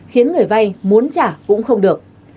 khiến người vay muốn trả cũng không được